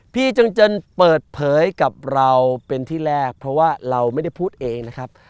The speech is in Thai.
จังเจินเปิดเผยกับเราเป็นที่แรกเพราะว่าเราไม่ได้พูดเองนะครับ